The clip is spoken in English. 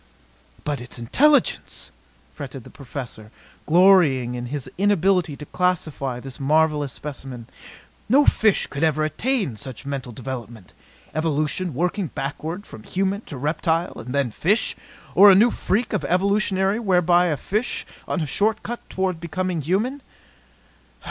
"But its intelligence!" fretted the Professor, glorying in his inability to classify this marvelous specimen. "No fish could ever attain such mental development. Evolution working backward from human to reptile and then fish or a new freak of evolution whereby a fish on a short cut toward becoming human?"